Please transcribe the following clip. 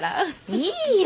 いいよ